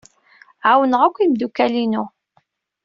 Ɛawneɣ akk imeddukal-inu.